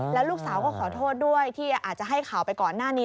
แล้วลูกสาวก็ขอโทษด้วยที่อาจจะให้ข่าวไปก่อนหน้านี้